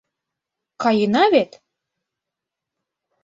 Каена вет?